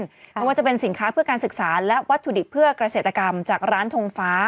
ไม่ว่าจะเป็นสินค้าเพื่อการศึกษาและวัตถุดิบเพื่อเกษตรกรรมจากร้านทงฟ้า